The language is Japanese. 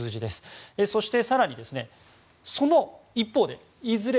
そして更にその一方でいずれ